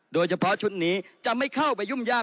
โดยเฉพาะชุดนี้จะไม่เข้าไปยุ่มย่าม